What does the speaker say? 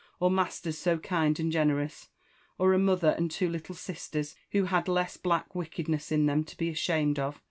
— or masters so kind and gene rous ?' or a mother and two little sisters who had less black wicked ness in them to be ashamed of?